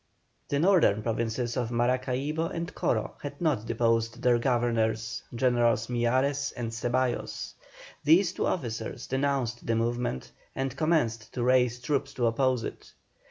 The northern provinces of Maracaibo and Coro had not deposed their governors, Generals Miyares and Ceballos. These two officers denounced the movement, and commenced to raise troops to oppose it.